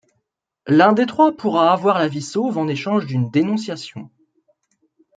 L'un des trois pourra avoir la vie sauve en échange d'une dénonciation.